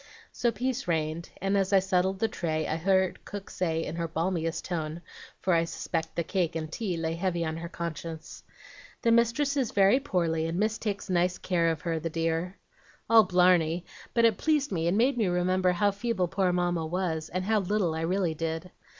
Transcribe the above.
"So peace reigned, and as I settled the tray, I heard cook say in her balmiest tone, for I suspect the cake and tea lay heavy on her conscience, 'The mistress is very poorly, and Miss takes nice care of her, the dear.' "All blarney, but it pleased me and made me remember how feeble poor Mamma was, and how little I really did.